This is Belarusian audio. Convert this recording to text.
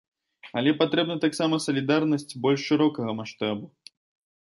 Але патрэбна таксама салідарнасць больш шырокага маштабу.